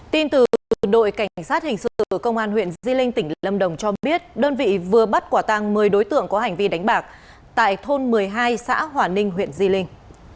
tin từ đội cảnh sát hình sự công an huyện di linh tỉnh lâm đồng cho biết đơn vị vừa bắt quả tăng một mươi đối tượng có hành vi đánh bạc tại thôn một mươi hai xã hòa ninh huyện di linh